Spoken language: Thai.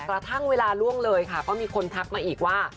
กระทั่งเวลาล่วงเลยค่ะก็มีคนทักมาอีกว่า